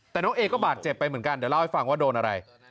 แต่น้องเอก็บาดเจ็บไปเหมือนกันเดี๋ยวเล่าให้ฟังว่าโดนอะไร